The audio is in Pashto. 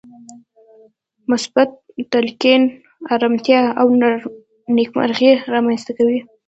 مثبت تلقين ارامتيا او نېکمرغي رامنځته کوي.